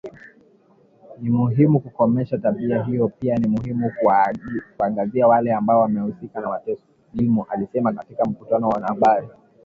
"Ni muhimu kukomesha tabia hiyo pia ni muhimu kuwaangazia wale ambao wamehusika na mateso", Gilmore alisema katika mkutano na wanahabari